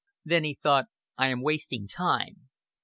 Then he thought: "I am wasting time."